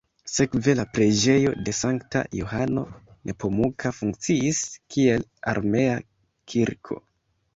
Sekve la preĝejo de sankta Johano Nepomuka funkciis kiel armea kirko.